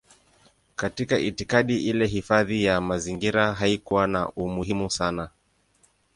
Katika itikadi ile hifadhi ya mazingira haikuwa na umuhimu sana.